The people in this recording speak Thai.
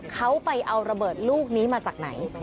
เขาไปเอาระเบิดลูกนี้มาจากไหน